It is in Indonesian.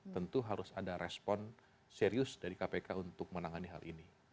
tentu harus ada respon serius dari kpk untuk menangani hal ini